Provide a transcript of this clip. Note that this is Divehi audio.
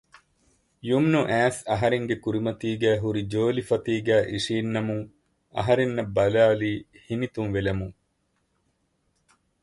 ޔުމްނު އައިސް އަހަރެންގެ ކުރިމަތީގައި ހުރި ޖޯލިފަތީގައި އިށީންނަމުން އަހަރެންނަށް ބަލާލީ ހިނިތުންވެލަމުން